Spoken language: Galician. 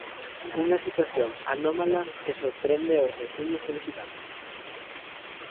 Unha situación anómala que sorprende os veciños e visitantes.